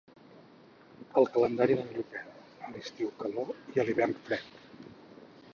El calendari d'en Lluquet, a l'estiu calor i a l'hivern fred.